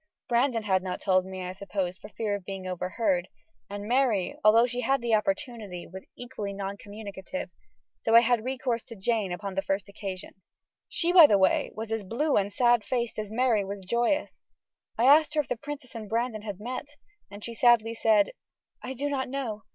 Brandon had not told me, I supposed, for fear of being overheard, and Mary, although she had the opportunity, was equally non communicative, so I had recourse to Jane upon the first occasion. She, by the way, was as blue and sad faced as Mary was joyous. I asked her if the princess and Brandon had met, and she sadly said: "I do not know.